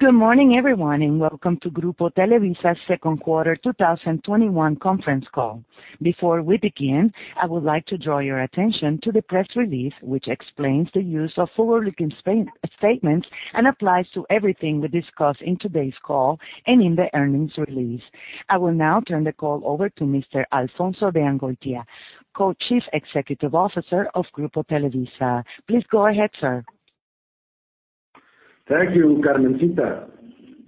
Good morning everyone, and welcome to Grupo Televisa second quarter 2021 conference call. Before we begin, I would like to draw your attention to the press release, which explains the use of forward-looking statements and applies to everything we discuss in today's call and in the earnings release. I will now turn the call over to Mr. Alfonso de Angoitia, Co-Chief Executive Officer of Grupo Televisa. Please go ahead, sir. Thank you, Carmencita.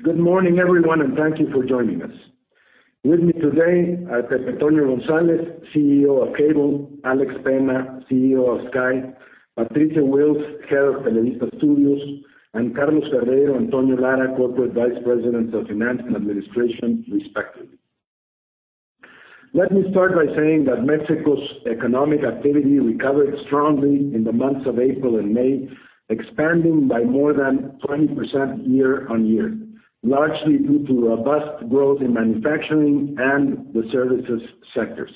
Good morning everyone, thank you for joining us. With me today are José Antonio González, CEO of Cable, Alex Penna, CEO of Sky, Patricio Wills, Head of Televisa Studios, and Carlos Ferreiro and José Antonio Lara, Corporate Vice Presidents of Finance and Administration, respectively. Let me start by saying that Mexico's economic activity recovered strongly in the months of April and May, expanding by more than 20% year-on-year, largely due to robust growth in manufacturing and the services sectors.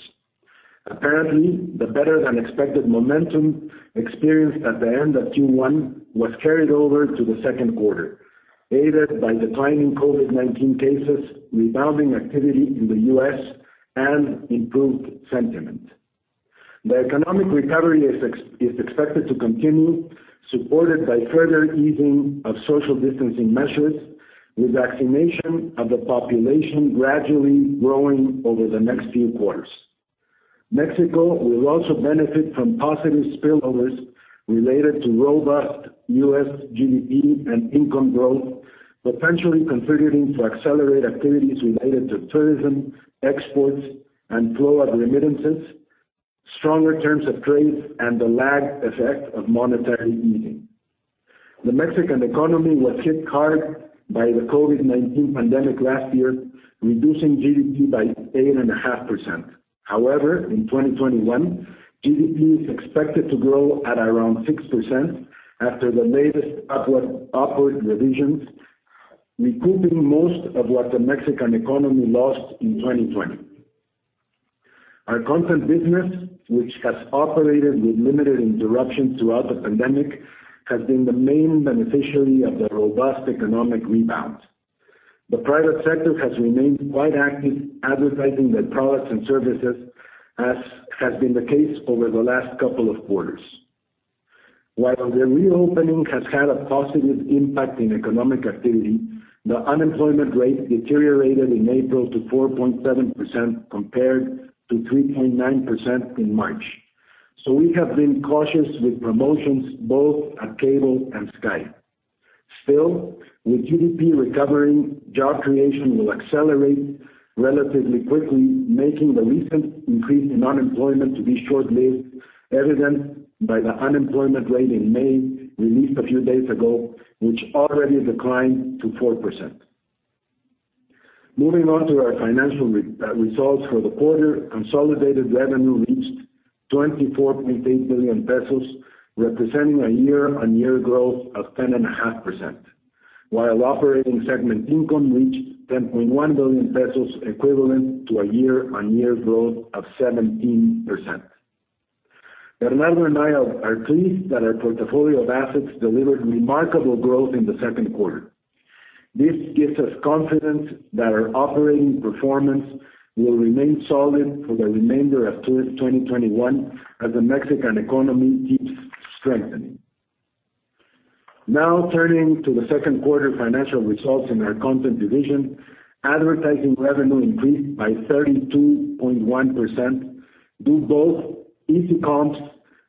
Apparently, the better-than-expected momentum experienced at the end of Q1 was carried over to the second quarter, aided by declining COVID-19 cases, rebounding activity in the U.S., and improved sentiment. The economic recovery is expected to continue, supported by further easing of social distancing measures, with vaccination of the population gradually growing over the next few quarters. Mexico will also benefit from positive spillovers related to robust U.S. GDP and income growth, potentially contributing to accelerate activities related to tourism, exports, and flow of remittances, stronger terms of trade, and the lagged effect of monetary easing. The Mexican economy was hit hard by the COVID-19 pandemic last year, reducing GDP by 8.5%. In 2021, GDP is expected to grow at around 6% after the latest upward revisions, recouping most of what the Mexican economy lost in 2020. Our content business, which has operated with limited interruptions throughout the pandemic, has been the main beneficiary of the robust economic rebound. The private sector has remained quite active advertising their products and services, as has been the case over the last couple of quarters. While the reopening has had a positive impact on economic activity, the unemployment rate deteriorated in April to 4.7% compared to 3.9% in March. We have been cautious with promotions both at Cable and Sky. Still, with GDP recovering, job creation will accelerate relatively quickly, making the recent increase in unemployment to be short-lived, evidenced by the unemployment rate in May 2021 released a few days ago, which already declined to 4%. Moving on to our financial results for the quarter. Consolidated revenue reached 24.8 billion pesos, representing a year-on-year growth of 10.5%, while operating segment income reached 10.1 billion pesos, equivalent to a year-on-year growth of 17%. Bernardo and I are pleased that our portfolio of assets delivered remarkable growth in the second quarter. This gives us confidence that our operating performance will remain solid for the remainder of 2021 as the Mexican economy keeps strengthening. Turning to the second quarter financial results in our content division. Advertising revenue increased by 32.1%, due both to easy comps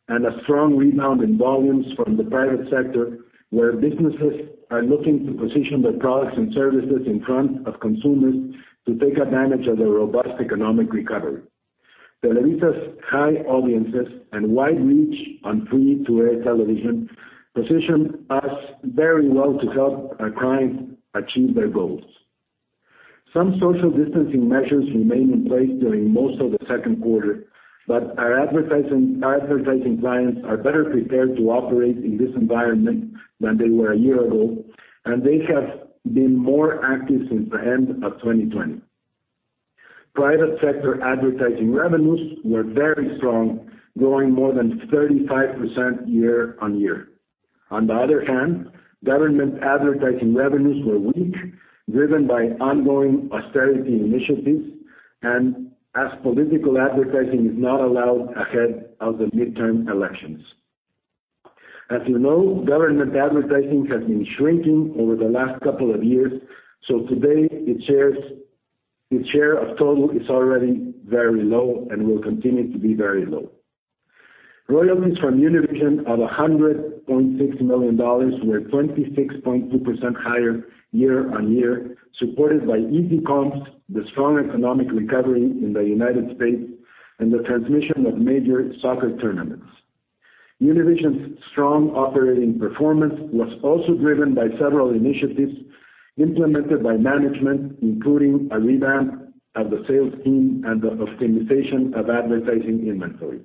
and a strong rebound in volumes from the private sector, where businesses are looking to position their products and services in front of consumers to take advantage of the robust economic recovery. Televisa's high audiences and wide reach on free-to-air television position us very well to help our clients achieve their goals. Some social distancing measures remained in place during most of the second quarter, but our advertising clients are better prepared to operate in this environment than they were one year ago, and they have been more active since the end of 2020. Government advertising revenues were weak, driven by ongoing austerity initiatives and as political advertising is not allowed ahead of the midterm elections. As you know, government advertising has been shrinking over the last couple of years. Today, its share of total is already very low and will continue to be very low. Royalties from Univision of $100.6 million were 26.2% higher year-on-year, supported by easy comps, the strong economic recovery in the United States and the transmission of major soccer tournaments. Univision's strong operating performance was also driven by several initiatives implemented by management, including a revamp of the sales team and the optimization of advertising inventory.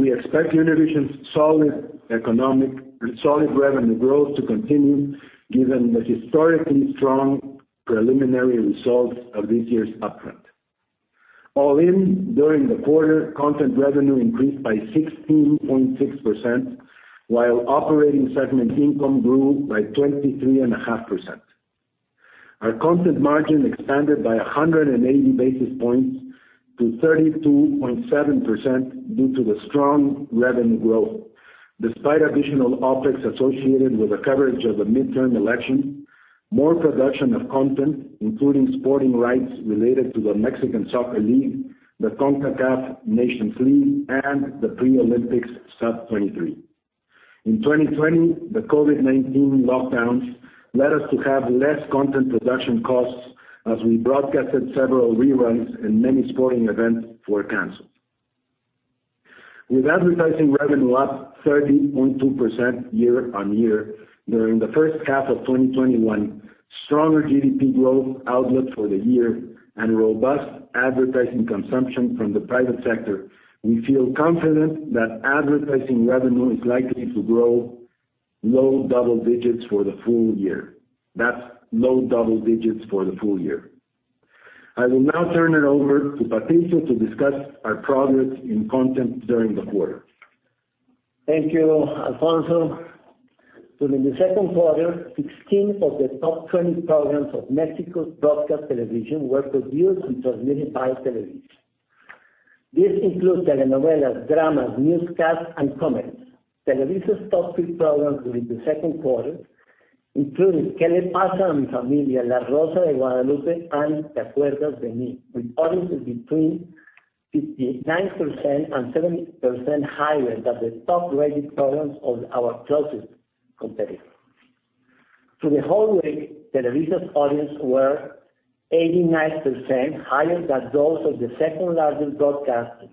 We expect Univision's solid revenue growth to continue given the historically strong preliminary results of this year's upfront. All in, during the quarter, content revenue increased by 16.6%, while operating segment income grew by 23.5%. Our content margin expanded by 180 basis points to 32.7% due to the strong revenue growth, despite additional OpEx associated with the coverage of the midterm election, more production of content, including sporting rights related to the Mexican Soccer League, the CONCACAF Nations League, and the Pre-Olympics Sub 23. In 2020, the COVID-19 lockdowns led us to have less content production costs as we broadcasted several reruns and many sporting events were canceled. With advertising revenue up 30.2% year-on-year during the first half of 2021, stronger GDP growth outlook for the year, and robust advertising consumption from the private sector, we feel confident that advertising revenue is likely to grow low-double-digits for the full year. That's low-double-digits for the full year. I will now turn it over to Patricio to discuss our progress in content during the quarter. Thank you, Alfonso. During the second quarter, 16 of the top 20 programs of Mexico's broadcast television were produced and transmitted by Televisa. This includes telenovelas, dramas, newscasts, and comedies. Televisa's top three programs during the second quarter included, "¿Qué le pasa a mi familia?," "La Rosa de Guadalupe," and "Te acuerdas de mí," with audiences between 69% and 70% higher than the top-rated programs of our closest competitor. Through the whole week, Televisa audiences were 89% higher than those of the second largest broadcaster,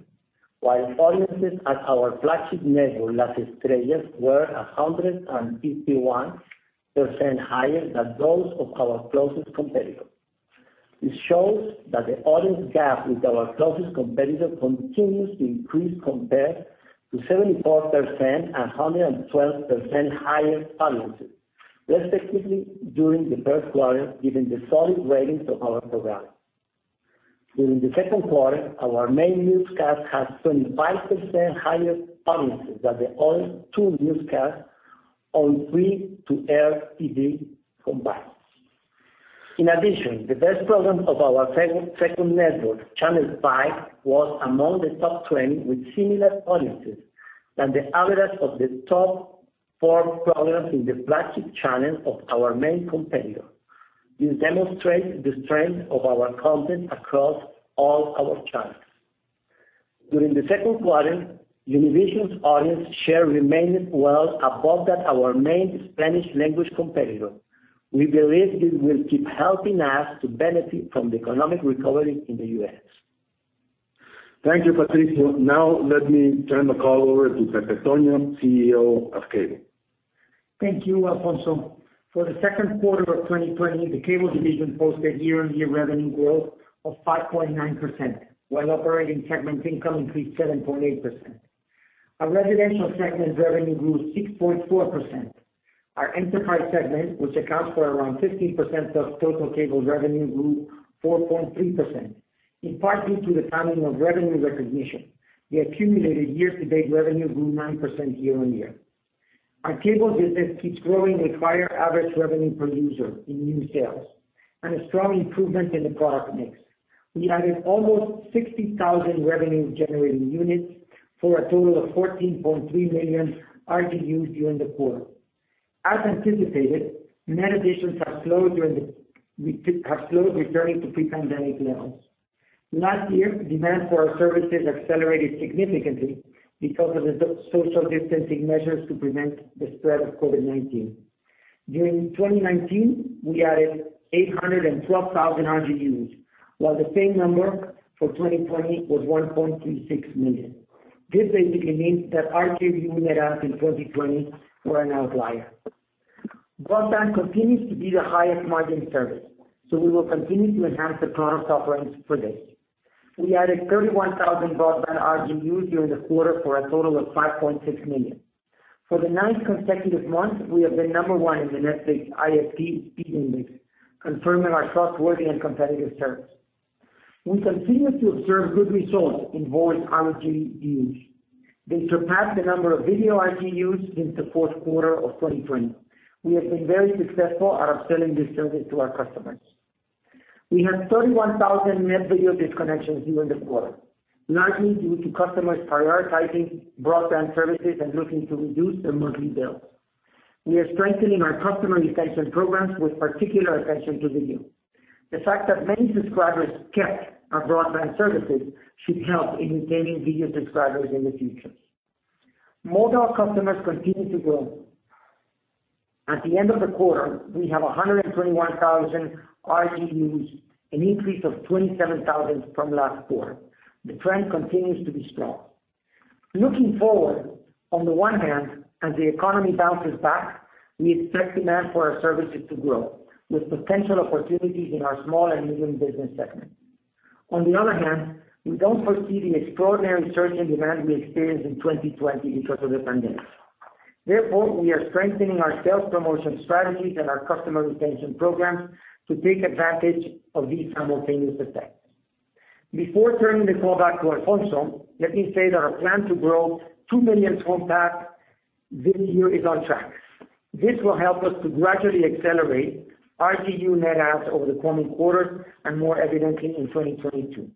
while audiences at our flagship network, Las Estrellas, were 151% higher than those of our closest competitor. This shows that the audience gap with our closest competitor continues to increase compared to 74% and 112% higher audiences respectively during the first quarter, given the solid ratings of our programming. During the second quarter, our main newscast had 25% higher audiences than the only two newscasts on free-to-air TV combined. In addition, the best program of our second network, Canal 5, was among the top 20 with similar audiences than the average of the top four programs in the flagship channel of our main competitor. This demonstrates the strength of our content across all our channels. During the second quarter, Univision's audience share remained well above that of our main Spanish-language competitor. We believe this will keep helping us to benefit from the economic recovery in the U.S. Thank you Patricio. Let me turn the call over to Benito, CEO of Cable. Thank you Alfonso. For the second quarter of 2021, the Cable division posted year-on-year revenue growth of 5.9%, while operating segment income increased 7.8%. Our residential segment revenue grew 6.4%. Our enterprise segment, which accounts for around 15% of total Cable revenue, grew 4.3%, in part due to the timing of revenue recognition. The accumulated year-to-date revenue grew 9% year-on-year. Our Cable division keeps growing acquire average revenue per user in new sales and a strong improvement in the product mix. We added almost 60,000 revenue generating units for a total of 14.3 million RGUs during the quarter. As anticipated, new additions have slowed returning to pre-pandemic levels. Last year, demand for our services accelerated significantly because of the social distancing measures to prevent the spread of COVID-19. During 2019, we added 812,000 RGUs, while the same number for 2020 was 1.36 million. This indicates that RGU add-ons in 2020 were an outlier. Broadband continues to be the highest margin service, so we will continue to enhance the product offerings for this. We added 31,000 broadband RGUs during the quarter for a total of 5.6 million. For the ninth consecutive month, we have been number one in the Netflix ISP Speed Index, confirming our trustworthy and competitive service. We continue to observe good results in voice RGU units. They surpassed the number of video RGUs since the fourth quarter of 2020. We have been very successful at upselling this service to our customers. We had 31,000 net video disconnections during the quarter, largely due to customers prioritizing broadband services and looking to reduce their monthly bill. We are strengthening our customer retention programs with particular attention to video. The fact that many subscribers kept our broadband services should help in gaining video subscribers in the future. Mobile customers continue to grow. At the end of the quarter, we have 121,000 RGUs, an increase of 27,000 from last quarter. The trend continues to be strong. Looking forward, on the one hand, as the economy bounces back, we expect demand for our services to grow with potential opportunities in our small and medium business segment. On the other hand, we don't foresee the extraordinary surge in demand we experienced in 2020 in terms of abundance. Therefore, we are strengthening our sales promotion strategies and our customer retention programs to take advantage of these simultaneous effects. Before turning the call back to Alfonso, let me say that our plan to grow 2 million home packs this year is on track. This will help us to gradually accelerate RGU net adds over the coming quarters and more evidently in 2022.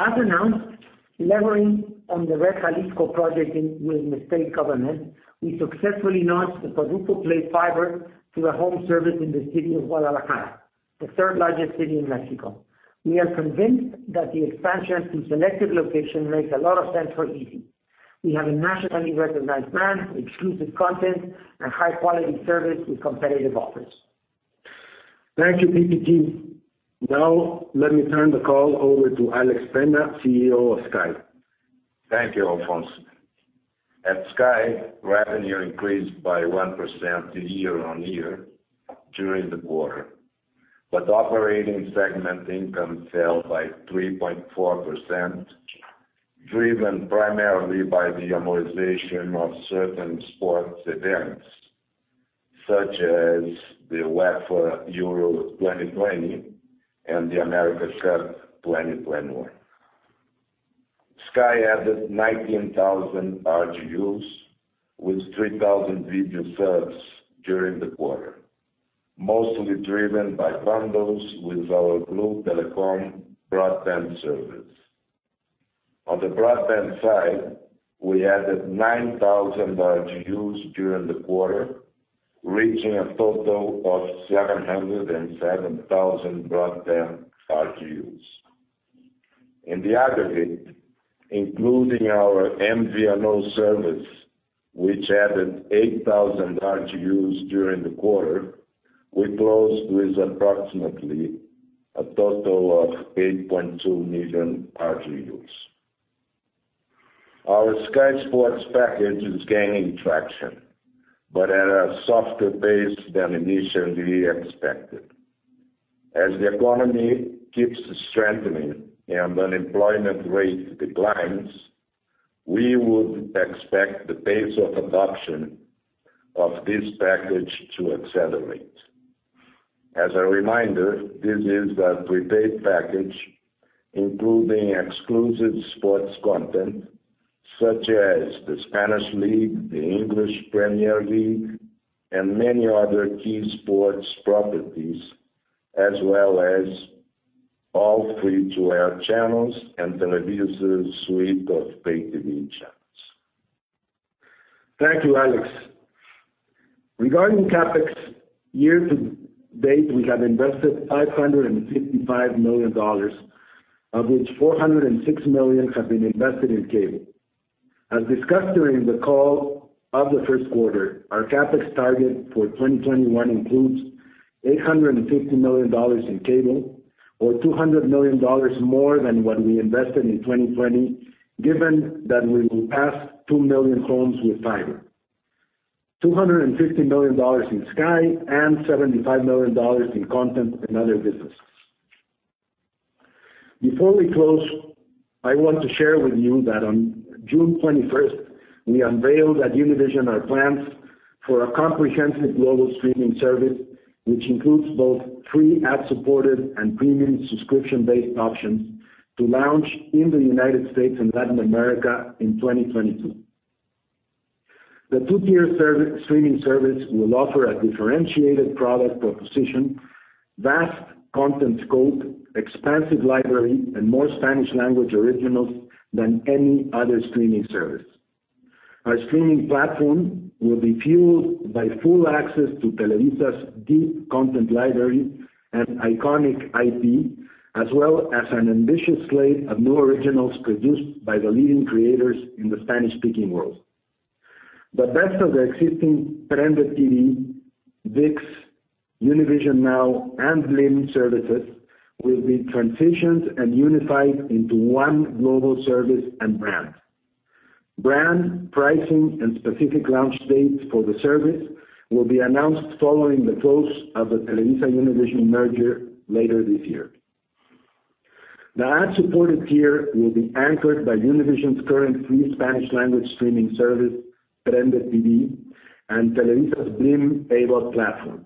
As announced, leveraging on the Red Jalisco project with the state government, we successfully launched the izzi Play fiber to the home service in the city of Guadalajara, the third largest city in Mexico. We are convinced that the expansion to selected locations makes a lot of sense for izzi. We have a nationally recognized brand, exclusive content, and high-quality service with competitive offers. Thank you, Piti. Now, let me turn the call over to Alex, CEO of Sky. Thank you Alfonso. At Sky, revenue increased by 1% year-over-year during the quarter. Operating segment income fell by 3.4%, driven primarily by the amortization of certain sports events, such as the UEFA Euro 2020 and the Copa América 2021. Sky added 19,000 RGUs with 3,000 video subs during the quarter, mostly driven by bundles with our Blue Telecomm broadband service. On the broadband side, we added 9,000 RGUs during the quarter, reaching a total of 707,000 broadband RGUs. In the aggregate, including our MVNO service, which added 8,000 RGUs during the quarter, we closed with approximately a total of 8.2 million RGUs. Our Sky Sports package is gaining traction, at a softer pace than initially expected. As the economy keeps strengthening and unemployment rate declines, we would expect the pace of adoption of this package to accelerate. As a reminder, this is a prepaid package including exclusive sports content such as the Spanish League, the English Premier League, and many other key sports properties, as well as all free-to-air channels and Televisa's suite of pay TV channels. Thank you Alex. Regarding CapEx, year to date, we have invested MXN 555 million, of which 406 million have been invested in Cable. As discussed during the call of the first quarter, our CapEx target for 2021 includes MXN 850 million in Cable or MXN 200 million more than what we invested in 2020, given that we will pass 2 million homes with fiber. MXN 250 million in Sky and MXN 75 million in content and other businesses. Before we close, I want to share with you that on June 21st, 2021 we unveiled at Univision our plans for a comprehensive global streaming service, which includes both free ad-supported and premium subscription-based options to launch in the U.S. and Latin America in 2022. The 2-tier streaming service will offer a differentiated product proposition, vast content scope, expansive library, and more Spanish language originals than any other streaming service. Our streaming platform will be fueled by full access to Televisa's deep content library and iconic IP, as well as an ambitious slate of new originals produced by the leading creators in the Spanish-speaking world. The best of the existing PrendeTV, ViX, Univision NOW, and Blim services will be transitioned and unified into one global service and brand. Brand, pricing, and specific launch dates for the service will be announced following the close of the TelevisaUnivision merger later this year. The ad-supported tier will be anchored by Univision's current free Spanish-language streaming service, PrendeTV and Televisa's Blim paid platform.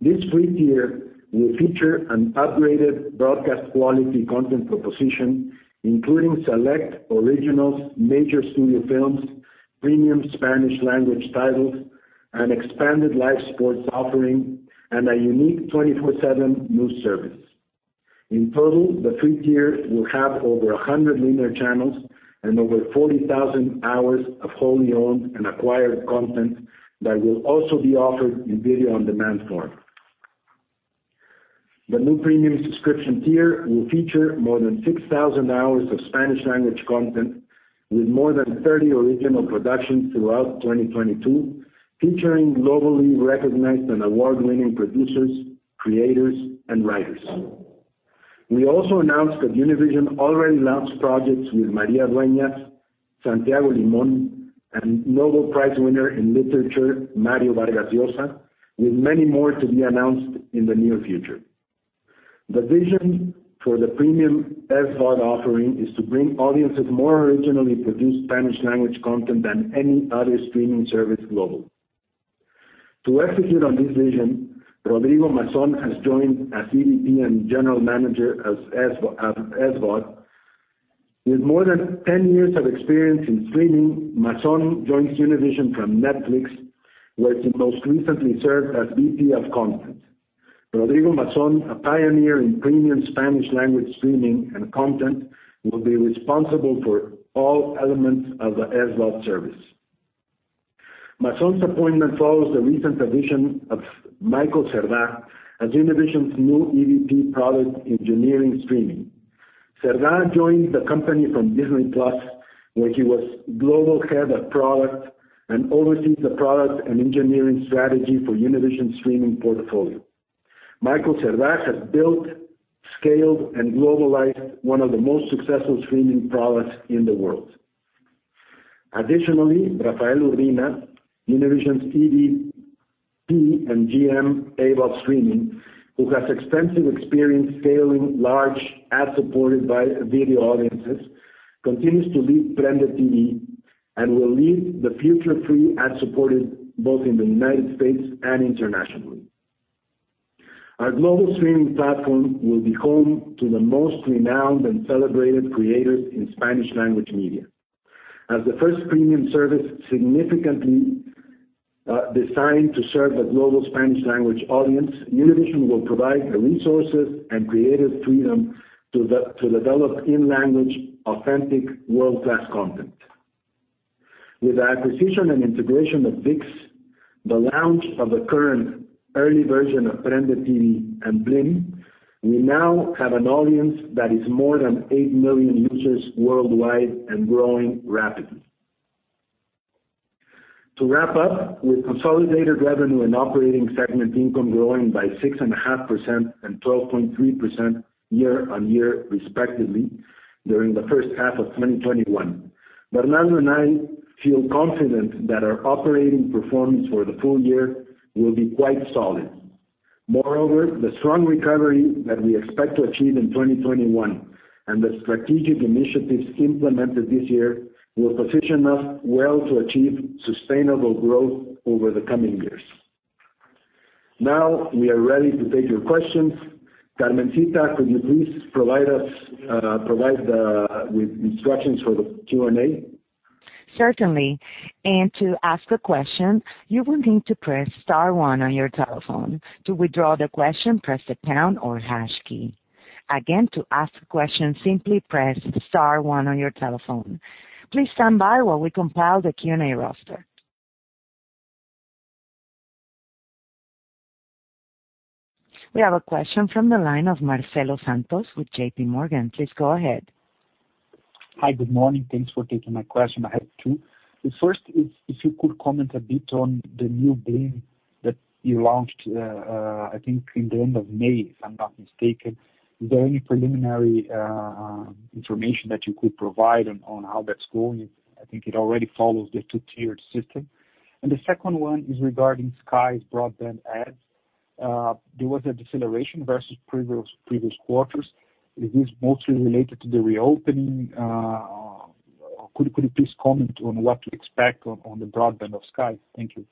This free tier will feature an upgraded broadcast quality content proposition, including select originals, major studio films, premium Spanish-language titles, an expanded live sports offering, and a unique 24/7 news service. In total, the free tier will have over 100 linear channels and over 40,000 hours of wholly owned and acquired content that will also be offered in video on demand form. The new premium subscription tier will feature more than 6,000 hours of Spanish language content with more than 30 original productions throughout 2022, featuring globally recognized and award-winning producers, creators, and writers. We also announced that Univision already launched projects with Maria Dueñas, Santiago Limón, and Nobel Prize winner in literature, Mario Vargas Llosa, with many more to be announced in the near future. The vision for the premium SVOD offering is to bring audiences more originally produced Spanish language content than any other streaming service global. To execute on this vision, Rodrigo Mazón has joined as EVP and General Manager at SVOD. With more than 10 years of experience in streaming, Mazón joins Univision from Netflix, where he most recently served as VP of content. Rodrigo Mazón, a pioneer in premium Spanish language streaming and content, will be responsible for all elements of the SVOD service. Mazón's appointment follows the recent addition of Michael Cerdá as Univision's new EVP, Product Engineering, Streaming. Cerdá joins the company from Disney+, where he was Global Head of Product and oversees the product and engineering strategy for Univision streaming portfolio. Michael Cerdá has built, scaled, and globalized one of the most successful streaming products in the world. Additionally, Rafael Urbina, Univision's EVP and GM, AVOD Streaming, who has extensive experience scaling large ad-supported video audiences, continues to lead PrendeTV and will lead the future free ad-supported both in the United States and internationally. Our global streaming platform will be home to the most renowned and celebrated creators in Spanish language media. As the first premium service significantly designed to serve a global Spanish language audience, Univision will provide the resources and creative freedom to develop in-language, authentic world-class content. With the acquisition and integration of ViX, the launch of the current early version of PrendeTV and Blim TV, we now have an audience that is more than 8 million users worldwide and growing rapidly. To wrap up, with consolidated revenue and operating segment income growing by 6.5% and 12.3% year-over-year, respectively, during the first half of 2021, Bernardo and I feel confident that our operating performance for the full year will be quite solid. Moreover, the strong recovery that we expect to achieve in 2021 and the strategic initiatives implemented this year will position us well to achieve sustainable growth over the coming years. Now we are ready to take your questions. Carmencita, could you please provide us with instructions for the Q&A? Certainly. To ask a question, you will need to press star one on your telephone. To withdraw the question, press the pound or hash key. Again, to ask a question, simply press star one on your telephone. Please stand by while we compile the Q&A roster. We have a question from the line of Marcelo Santos with JPMorgan. Please go ahead. Hi. Good morning. Thanks for taking my question. I have two. The first is, if you could comment a bit on the new Blim that you launched, I think at the end of May, if I'm not mistaken. Is there any preliminary information that you could provide on how that's going? I think it already follows the two-tiered system. The second one is regarding Sky's broadband adds. There was a deceleration versus previous quarters. It is mostly related to the reopening. Could you please comment on what to expect on the broadband of Sky? Thank you.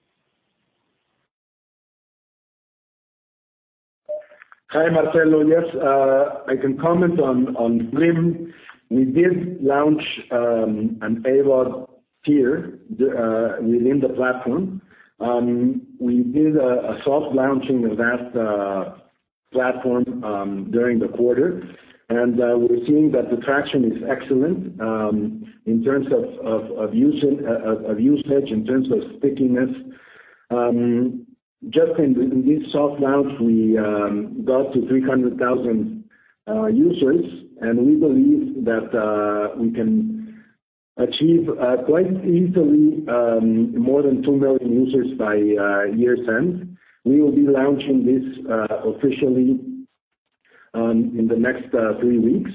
Hi, Marcelo. Yes, I can comment on Blim. We did launch an AVOD tier within the platform. We did a soft launching of that platform during the quarter. We're seeing that the traction is excellent, in terms of usage, in terms of stickiness. Just in this soft launch, we got to 300,000 users, and we believe that we can achieve quite easily more than 2 million users by year's end. We will be launching this officially in the next three weeks.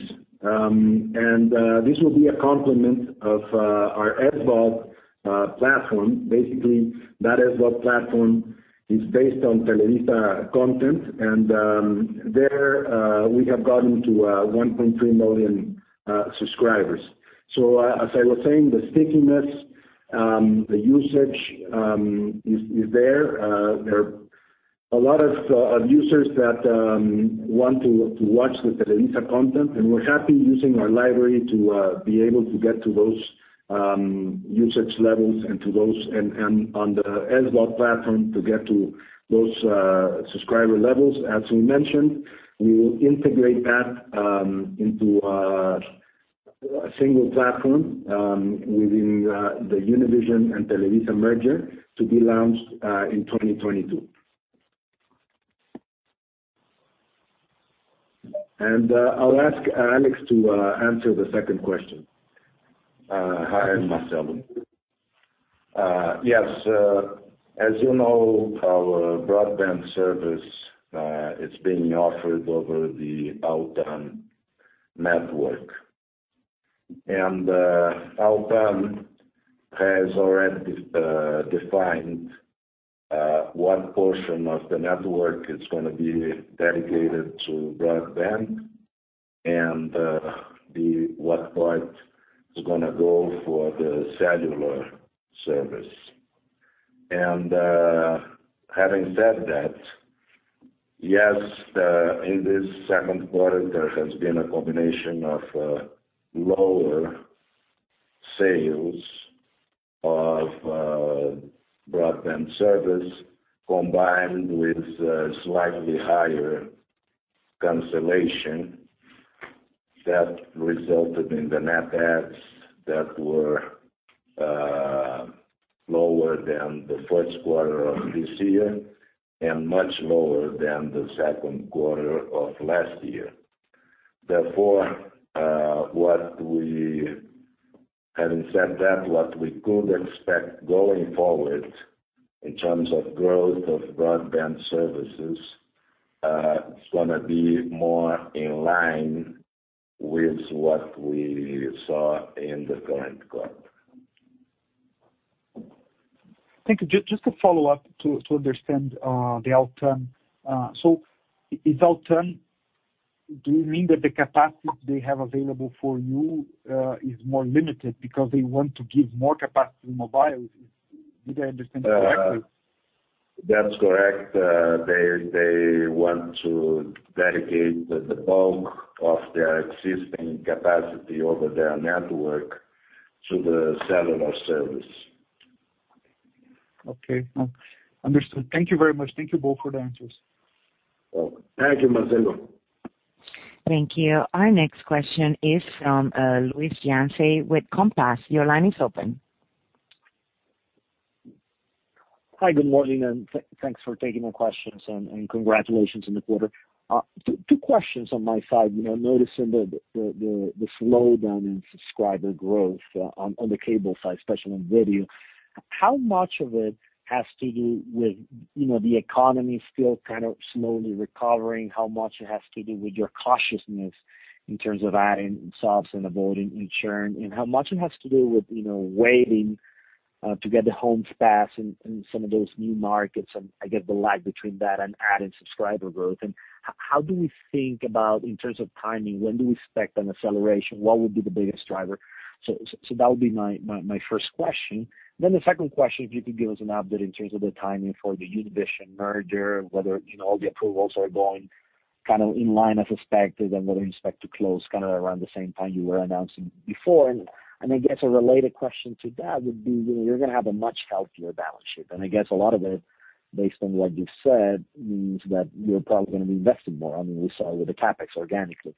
This will be a complement of our SVOD platform. Basically, that SVOD platform is based on Televisa Content. There we have gotten to 1.3 million subscribers. As I was saying, the stickiness, the usage is there. There are a lot of users that want to watch the Televisa content, and we're happy using our library to be able to get to those usage levels and on the SVOD platform to get to those subscriber levels. As we mentioned, we will integrate that into a single platform within the Univision and Televisa merger to be launched in 2022. I'll ask Alex to answer the second question. Hi, Marcelo. Yes. As you know, our broadband service, it's being offered over the Altán network. Altán has already defined what portion of the network is going to be dedicated to broadband and what part is going to go for the cellular service. Having said that, yes, in this second quarter, there has been a combination of lower sales of broadband service combined with slightly higher cancellation that resulted in the net adds that were lower than the first quarter of this year and much lower than the second quarter of last year. Having said that, what we could expect going forward in terms of growth of broadband services, it's going to be more in line with what we saw in the current quarter. Thank you. Just to follow up to understand the Altán. Is Altán, do you mean that the capacity they have available for you is more limited because they want to give more capacity mobile? Did I understand correctly? That's correct. They want to dedicate the bulk of their existing capacity over their network to the cellular service. Okay. Understood. Thank you very much. Thank you both for the answers. Thank you, Marcelo. Thank you. Our next question is from Luis Yance with Compass. Your line is open. Hi, good morning. Thanks for taking the questions and congratulations on the quarter. Two questions on my side. Noticing the slowdown in subscriber growth on the Cable side, especially on video, how much of it has to do with the economy still slowly recovering? How much it has to do with your cautiousness in terms of adding subs and avoiding churn, how much it has to do with waiting to get the homes passed in some of those new markets and I get the lag between that and adding subscriber growth? How do we think about, in terms of timing, when do we expect an acceleration? What would be the biggest driver? That would be my first question. The second question, if you could give us an update in terms of the timing for the Univision merger, whether all the approvals are going as expected, and whether you expect to close around the same time you were announcing before. I guess a related question to that would be, you're going to have a much healthier balance sheet. I guess a lot of it, based on what you said, means that you're probably going to be investing more. I mean, we saw it with the CapEx organically.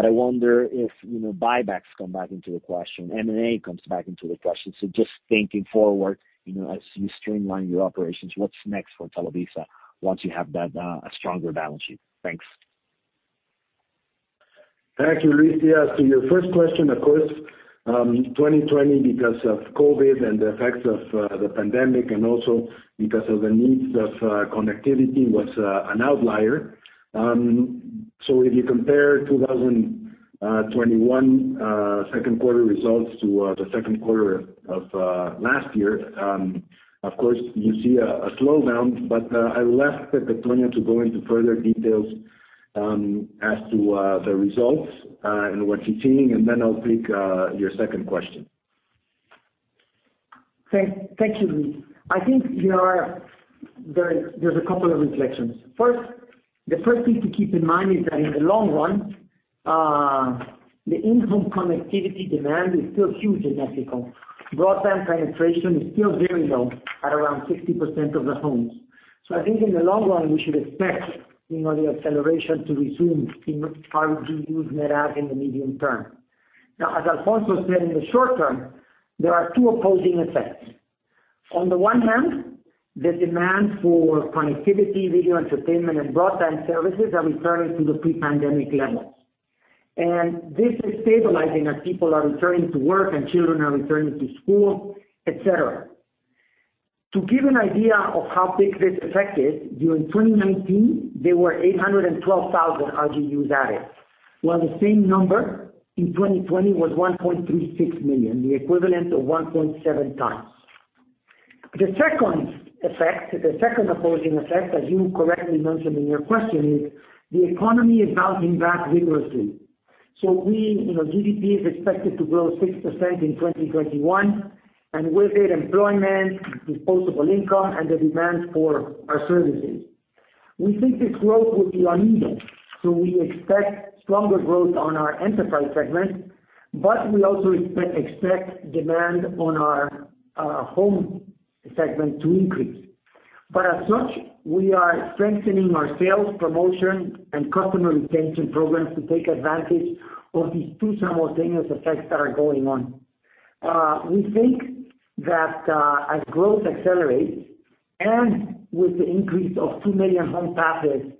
I wonder if buybacks come back into the question, M&A comes back into the question. Just thinking forward, as you streamline your operations, what's next for Televisa once you have that stronger balance sheet? Thanks. Thanks, Luis. To your first question, of course, 2020, because of COVID-19 and the effects of the pandemic, and also because of the needs of connectivity, was an outlier. If you compare 2021 second quarter results to the second quarter of last year, of course, you see a slowdown. I'll ask Antonio to go into further details as to the results and what you're seeing, and then I'll take your second question. Thank you, Luis. I think there's a couple of reflections. First, the first thing to keep in mind is that in the long run, the in-home connectivity demand is still huge in Mexico. Broadband penetration is still very low at around 60% of the homes. I think in the long run, we should expect the acceleration to resume in RGU net add in the medium term. Now, as Alfonso said, in the short term, there are two opposing effects. On the one hand, the demand for connectivity, video entertainment, and broadband services are returning to the pre-pandemic levels. This is stabilizing as people are returning to work and children are returning to school, et cetera. To give an idea of how big this effect is, during 2019, there were 812,000 RGU adds, while the same number in 2020 was 1.36 million, the equivalent of 1.7x. The second effect, the second opposing effect, as you correctly mentioned in your question, is the economy is bouncing back vigorously. GDP is expected to grow 6% in 2021, and with it employment, disposable income, and the demand for our services. We think this growth will be uneven. We expect stronger growth on our enterprise segment, but we also expect demand on our home segment to increase. As such, we are strengthening our sales promotion and customer retention programs to take advantage of these two simultaneous effects that are going on. We think that as growth accelerates and with the increase of 2 million home passes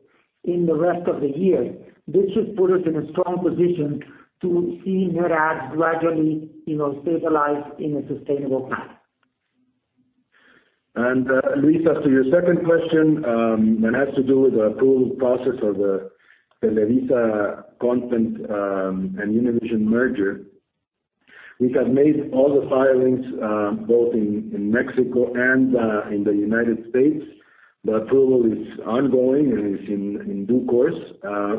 in the rest of the year, this should put us in a strong position to see net adds gradually stabilize in a sustainable path. Luis, to your second question that has to do with the total process of the Televisa Content and Univision merger. We have made all the filings both in Mexico and in the U.S. The approval is ongoing and is in due course.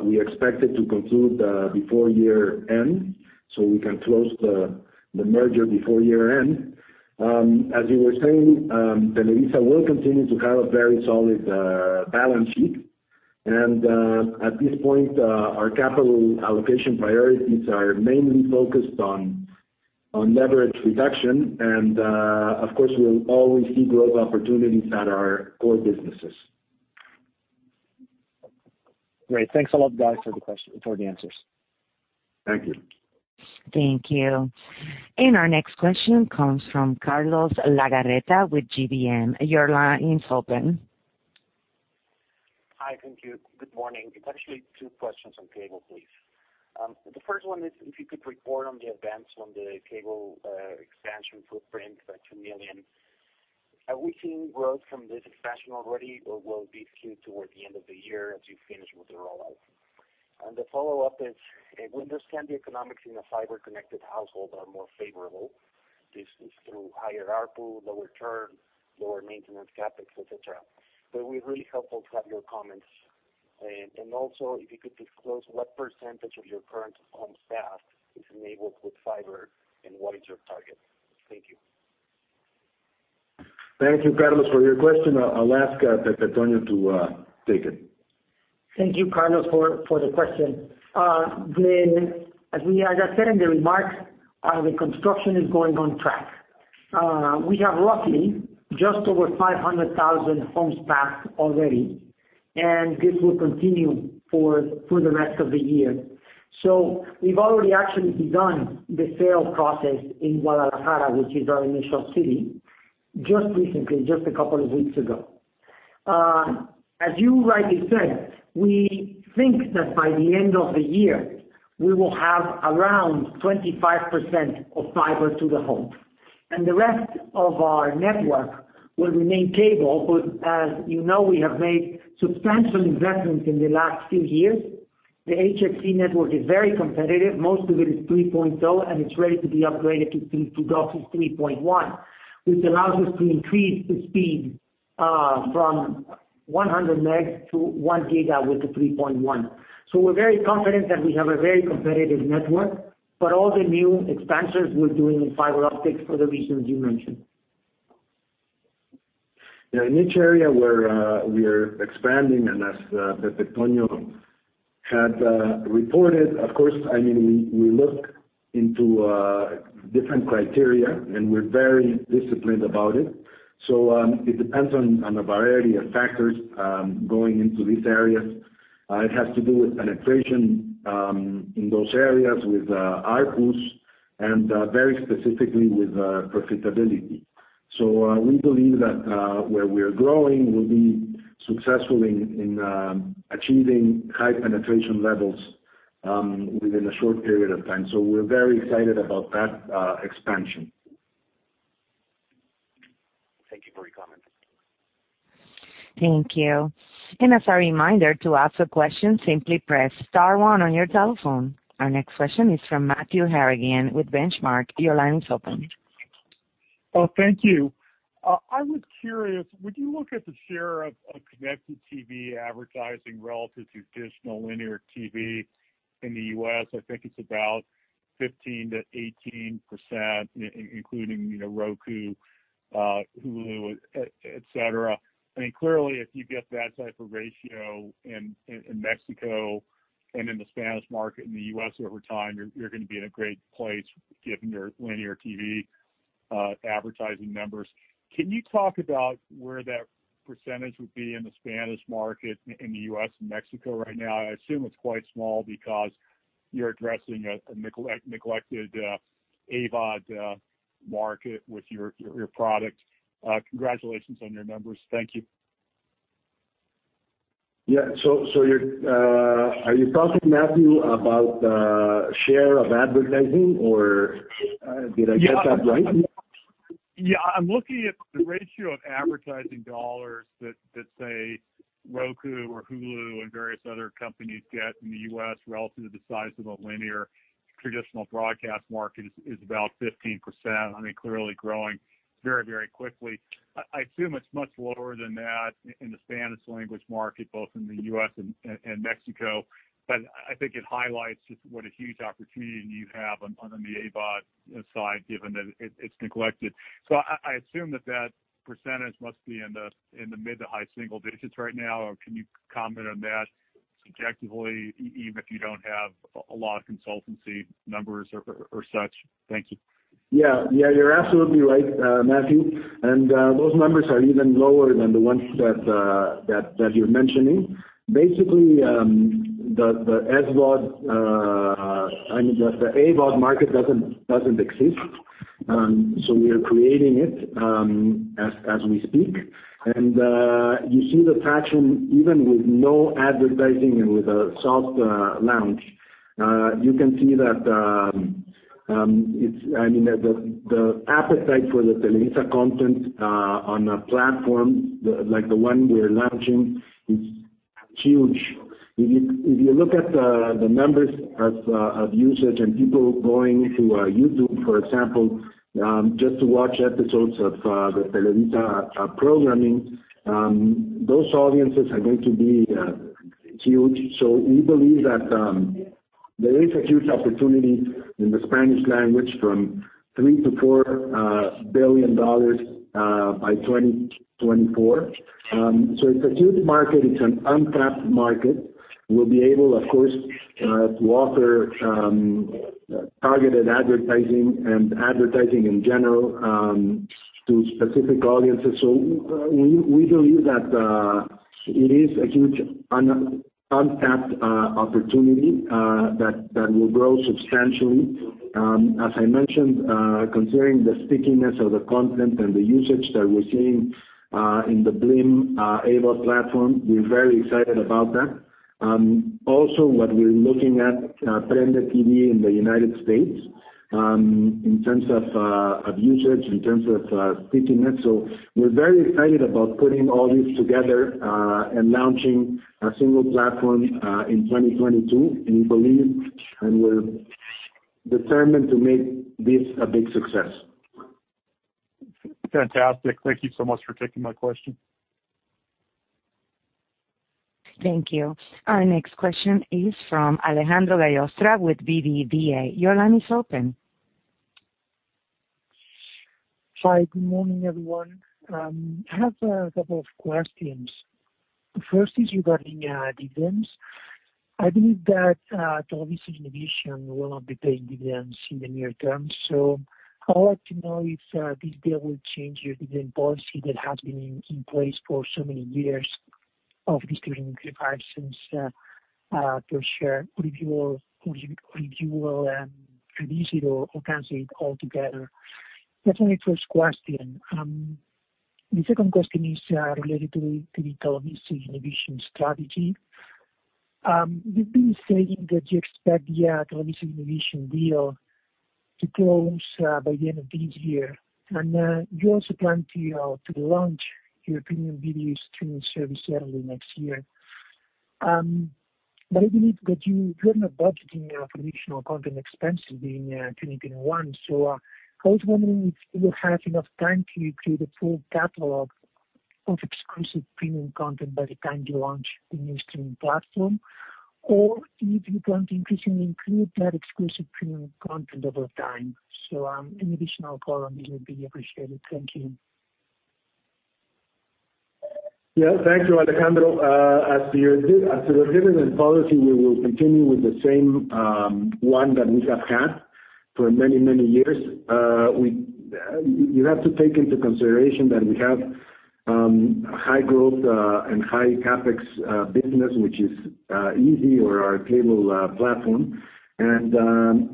We expect it to conclude before year-end, so we can close the merger before year-end. As you were saying, Televisa will continue to have a very solid balance sheet. At this point, our capital allocation priorities are mainly focused on leverage reduction. Of course, we'll always see growth opportunities at our core businesses. Great. Thanks a lot, guys, for the answers. Thank you. Thank you. Our next question comes from Carlos de Legarreta with GBM. Your line is open. Hi. Thank you. Good morning. It's actually two questions on Cable, please. The first one is if you could report on the events on the Cable expansion footprint by 2 million. Are we seeing growth from this expansion already, or will this be towards the end of the year as you finish with the rollout? The follow-up is, we understand the economics in the fiber-connected household are more favorable. This is through higher ARPU, lower churn, lower maintenance CapEx, et cetera. It'd be really helpful to have your comments. Also, if you could disclose what percentage of your current homes passed is enabled with fiber and what is your target. Thank you. Thank you, Carlos, for your question. I'll ask Pepe Antonio to take it. Thank you, Carlos, for the question. As we just said in the remarks, the construction is going on track. We have roughly just over 500,000 homes passed already, and this will continue for the rest of the year. We've already actually begun the sales process in Guadalajara, which is our initial city, just recently, just a couple of weeks ago. As you rightly said, we think that by the end of the year, we will have around 25% of fiber to the home. The rest of our network will remain cable, but as you know, we have made substantial investments in the last few years. The HFC network is very competitive. Most of it is 3.0, and it's ready to be upgraded to DOCSIS 3.1, which allows us to increase the speed from 100 Mbps to 1 gigabit to 3.1. We're very confident that we have a very competitive network, but all the new expansions we're doing in fiber optics for the reasons you mentioned. In each area where we are expanding and as Pepe Antonio had reported, of course, we look into different criteria and we're very disciplined about it. It depends on a variety of factors going into these areas. It has to do with penetration in those areas with ARPUs and very specifically with profitability. We believe that where we are growing, we'll be successful in achieving high penetration levels within a short period of time. We're very excited about that expansion. Thank you for your comments. Thank you. As a reminder, to ask a question, simply press star one on your telephone. Our next question is from Matthew Harrigan with Benchmark. Your line is open. Oh, thank you. I was curious, when you look at the share of connected TV advertising relative to traditional linear TV in the U.S., I think it's about 15%-18%, including Roku, Hulu, et cetera. Clearly, if you get that type of ratio in Mexico and in the Spanish market in the U.S. over time, you're going to be in a great place given your linear TV advertising numbers. Can you talk about where that percentage would be in the Spanish market in the U.S. and Mexico right now? I assume it's quite small because you're addressing a neglected AVOD market with your product. Congratulations on your numbers. Thank you. Yeah. Are you talking, Matthew, about share of advertising, or did I get that right? Yeah. I'm looking at the ratio of advertising dollars that, say, Roku or Hulu and various other companies get in the U.S. relative to the size of the linear traditional broadcast market is about 15%. Clearly growing very quickly. I assume it's much lower than that in the Spanish language market, both in the U.S. and Mexico. I think it highlights just what a huge opportunity you have on the AVOD side, given that it's neglected. I assume that that percentage must be in the mid to high single digits right now, or can you comment on that subjectively, even if you don't have a lot of consultancy numbers or such? Thank you. You're absolutely right, Matthew. Those numbers are even lower than the ones that you're mentioning. Basically, the AVOD market doesn't exist. We are creating it as we speak. You see the traction even with no advertising and with a soft launch. You can see that the appetite for the Televisa content on a platform like the one we are launching is huge. If you look at the numbers of usage and people going to YouTube, for example, just to watch episodes of the Televisa programming, those audiences are going to be huge. We believe that there is a huge opportunity in the Spanish language from $3 billion-$4 billion by 2024. It's a huge market. It's an untapped market. We'll be able, of course, to offer targeted advertising and advertising in general to specific audiences. We believe that it is a huge untapped opportunity that will grow substantially. As I mentioned, considering the stickiness of the content and the usage that we're seeing in the Blim TV platform, we're very excited about that. Also what we're looking at, PrendeTV in the U.S. in terms of usage, in terms of stickiness. We're very excited about putting all this together and launching a single platform in 2022, and we believe, and we're determined to make this a big success. Fantastic. Thank you so much for taking my question. Thank you. Our next question is from Alejandro Gallostra with BBVA. Your line is open. Hi. Good morning, everyone. I have a couple of questions. First is regarding dividends. I believe that TelevisaUnivision will not be paying dividends in the near term. I would like to know if BBVA will change your dividend policy that has been in place for so many years of distributing free fractions per share or if you will reduce it or cancel it altogether. That's my first question. The second question is related to the TelevisaUnivision strategy. You've been stating that you expect the TelevisaUnivision deal to close by the end of this year, and you also plan to launch your premium video streaming service early next year. My belief that you plan on budgeting for additional content expenses in 2021. I was wondering if you have enough time to create a full catalog of exclusive premium content by the time you launch the new streaming platform or if you plan to increasingly include that exclusive premium content over time. Any additional color on this would be appreciated. Thank you. Yeah, thanks a lot, Alejandro. As to the dividend policy, we will continue with the same one that we have had for many, many years. You have to take into consideration that we have high growth and high CapEx business, which is izzi or our cable platform.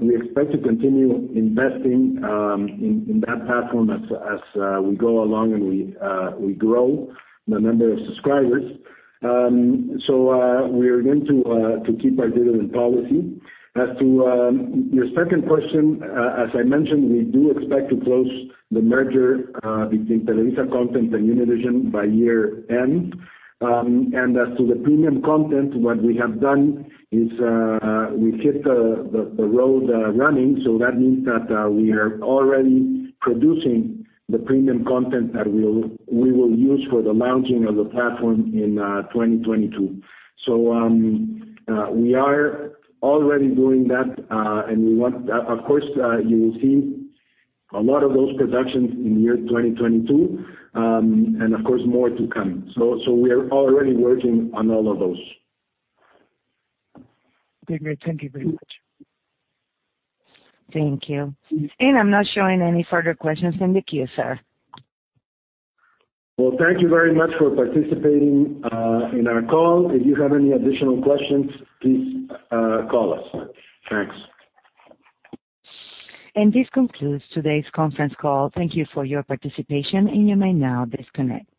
We expect to continue investing in that platform as we go along and we grow the number of subscribers. We are going to keep our dividend policy. As to your second question, as I mentioned, we do expect to close the merger between Televisa Content and Univision by year end. As to the premium content, what we have done is we hit the road running. That means that we are already producing the premium content that we will use for the launching of the platform in 2022. We are already doing that, of course, you will see a lot of those productions in the year 2022. Of course, more to come. We are already working on all of those. Great. Thank you very much. Thank you. I'm not showing any further questions in the queue, sir. Well, thank you very much for participating in our call. If you have any additional questions, please call us. Thanks. This concludes today's conference call. Thank you for your participation, and you may now disconnect.